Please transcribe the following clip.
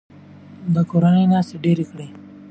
د کورنۍ ناستې ډیرې کړئ.